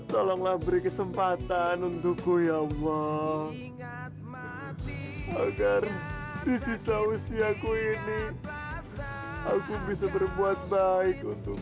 tolonglah beri kesempatan untukku ya allah agar di sisa usia ku ini aku bisa berbuat baik untuk